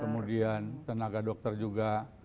kemudian tenaga dokter juga